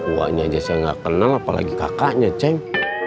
ua nya aja saya gak kenal apalagi kakaknya ceng